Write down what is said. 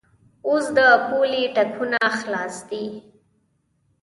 اوس د پولې ټکونه خلاص دي.